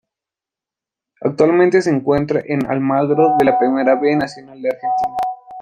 Actualmente se encuentra en Almagro de la Primera B Nacional de Argentina.